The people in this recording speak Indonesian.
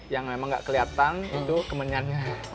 yang memang gak kelihatan itu kemenyan